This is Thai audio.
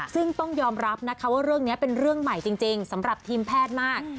ซึ่งต้องยอมรับนะคะว่าเรื่องนี้เป็นเรื่องใหม่จริงสำหรับทีมแพทย์มาก